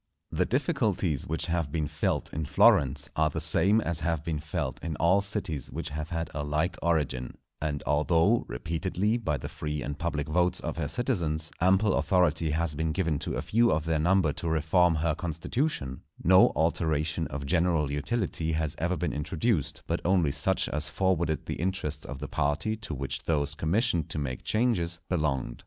The difficulties which have been felt in Florence are the same as have been felt in all cities which have had a like origin; and although, repeatedly, by the free and public votes of her citizens, ample authority has been given to a few of their number to reform her constitution, no alteration of general utility has ever been introduced, but only such as forwarded the interests of the party to which those commissioned to make changes belonged.